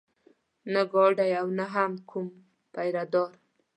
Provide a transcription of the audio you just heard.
نه ګارډ و او نه هم کوم پيره دار.